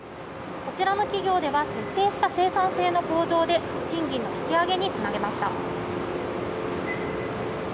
こちらの企業では、徹底した生産性の向上で賃金の引き上げにつなげました。